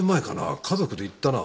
家族で行ったな。